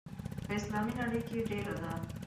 په اسلامي نړۍ کې ډېره ده.